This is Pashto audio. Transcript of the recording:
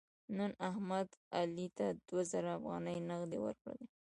نن احمد علي ته دوه زره افغانۍ نغدې ورکړلې.